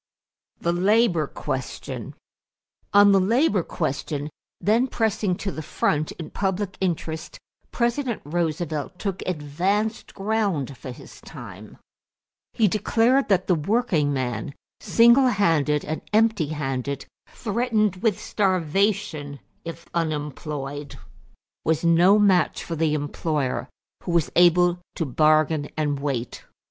=The Labor Question.= On the labor question, then pressing to the front in public interest, President Roosevelt took advanced ground for his time. He declared that the working man, single handed and empty handed, threatened with starvation if unemployed, was no match for the employer who was able to bargain and wait.